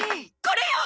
これよ！